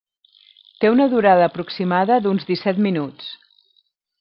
Té una durada aproximada d'uns disset minuts.